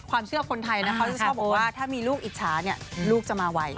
ความเชื่อคนไทยนะเขาจะชอบบอกว่าถ้ามีลูกอิจฉาเนี่ยลูกจะมาไว